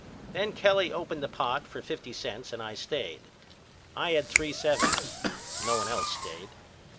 Then Kelly opened the pot for fifty cents and I stayed. I had three sevens. No one else stayed.